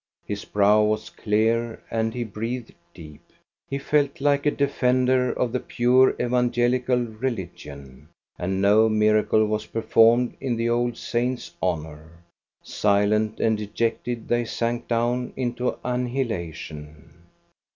His brow was clear and he breathed deep. He felt like a defender of the pure Evangelical religion. And no miracle was performed in the old saints' honor. Silent and dejected they sank down into annihilation.